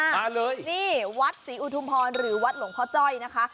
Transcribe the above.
มาเลยนี่วัดศรีอุทุมพรหรือวัดหลวงพ่อจ้อยนะคะ